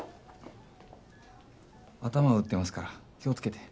頭を打ってますから気を付けて。